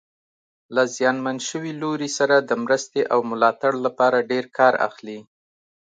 له زیانمن شوي لوري سره د مرستې او ملاتړ لپاره ډېر کار اخلي.